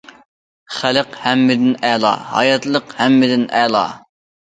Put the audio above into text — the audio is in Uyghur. خەلق ھەممىدىن ئەلا، ھاياتلىق ھەممىدىن ئەلا.